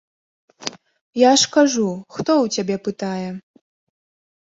Я ж кажу, хто ў цябе пытае?